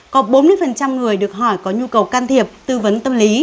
có bốn mươi người được hỏi có nhu cầu can thiệp tư vấn tâm lý